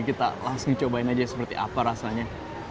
kita langsung cobain aja seperti apa rasanya